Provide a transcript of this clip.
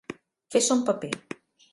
Fer son paper.